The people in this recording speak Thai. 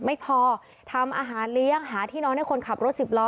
ไม่พอทำอาหารเลี้ยงหาที่นอนให้คนขับรถสิบล้อ